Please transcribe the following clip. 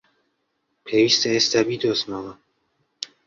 پێویستە ئێستا بیدۆزمەوە!